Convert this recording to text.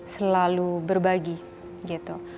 selalu berbagi gitu